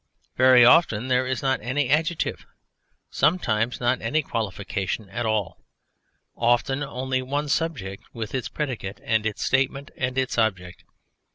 Very often there is not any adjective, sometimes not any qualification at all: often only one subject with its predicate and its statement and its object.